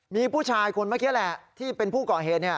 มีผู้ชายคนเมื่อกี้แหละที่เป็นผู้ก่อเหตุ